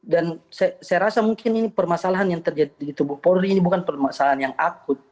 dan saya rasa mungkin ini permasalahan yang terjadi di tubuh polri ini bukan permasalahan yang akut